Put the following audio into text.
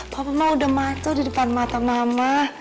papa mah udah matur di depan mata mama